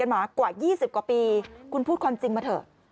สนิทกันมากว่ายี่สิบกว่าปีคุณพูดความจริงมาเถอะ